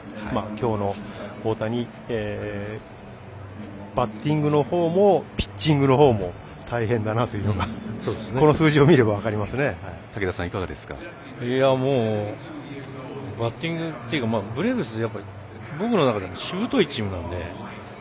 きょうの大谷バッティングのほうもピッチングのほうも大変だなというのがバッティングというかブレーブス僕の中でもしぶといチームなので。